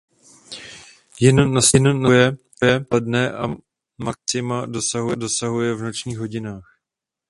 Jin nastupuje v poledne a maxima dosahuje v nočních hodinách.